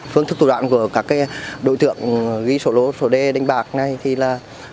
phương thức thủ đoạn của các đối tượng ghi sổ lô sổ đề đánh bạc này thì là